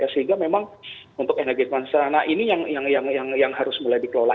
sehingga memang untuk energi kemansarana ini yang harus mulai dikelola